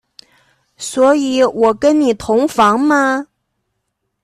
所以我跟你同房吗？